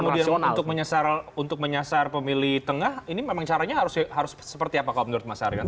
jadi kalau kemudian untuk menyasar pemilih tengah ini memang caranya harus seperti apa pak om menurut mas arjan